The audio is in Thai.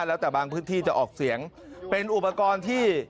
แล้วแต่บางพื้นที่จะออกเสียงเป็นอุปกรณ์ที่